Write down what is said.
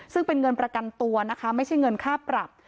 ซึ่งเป็นเงินประกันตัวนะคะไม่ใช่เงินค่าปรับ